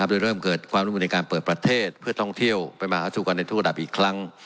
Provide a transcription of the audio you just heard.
โดยเริ่มเกิดความร่วมมือในการเปิดประเทศเพื่อท่องเที่ยวไปมาหาสู่กันในทุกระดับอีกครั้ง